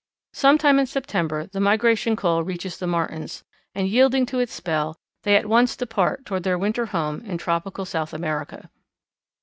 Some time in September the migration call reaches the Martins, and, yielding to its spell, they at once depart toward their winter home in tropical South America.